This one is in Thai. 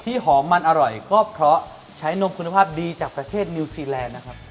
หอมมันอร่อยก็เพราะใช้นมคุณภาพดีจากประเทศนิวซีแลนด์นะครับ